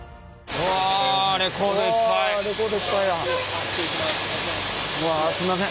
うわすんません。